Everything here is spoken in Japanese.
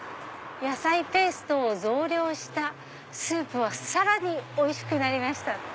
「野菜ペーストを増量したスープは更に美味しくなりました」。